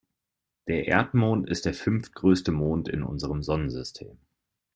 Der Erdmond ist der fünftgrößte Mond in unserem Sonnensystem.